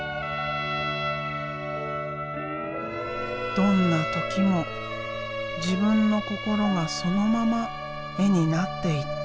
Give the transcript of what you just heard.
どんな時も自分の心がそのまま絵になっていった。